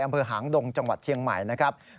อำเภอหางดงจังหวัดเชียงใหม่นะครับ